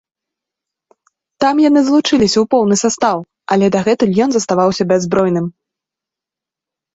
Там яны злучыліся ў поўны састаў, але дагэтуль ён застаўся бяззбройным.